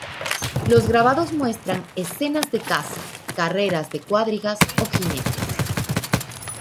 Los grabados muestran escenas de caza, carreras de cuadrigas o jinetes.